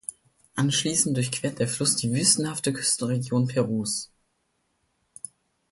Anschließend durchquert der Fluss die wüstenhafte Küstenregion Perus.